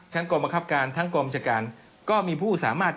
กรมบังคับการทั้งกรมชการก็มีผู้สามารถ